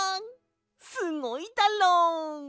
すごいだろ！